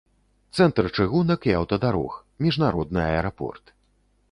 Цэнтр чыгунак і аўтадарог, міжнародны аэрапорт.